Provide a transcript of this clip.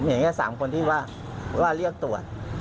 ผมไม่เห็นผมเห็นแค่๓คนที่ว่าเรียกตรวจ